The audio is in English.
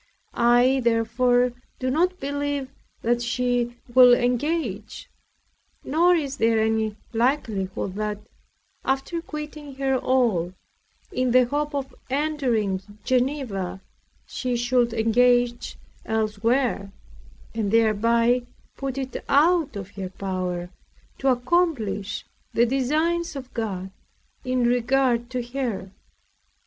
I therefore do not believe that she will engage; nor is there any likelihood that, after quitting her all, in the hope of entering Geneva, she should engage elsewhere, and thereby put it out of her power to accomplish the designs of God in regard to her.